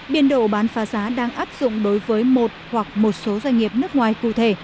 biên độ bán phá giá đang áp dụng đối với một hoặc một số doanh nghiệp nước ngoài cụ thể